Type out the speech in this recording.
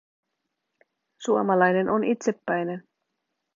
Suomalainen on itsepäinen.